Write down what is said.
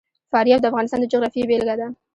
فاریاب د افغانستان د جغرافیې بېلګه ده.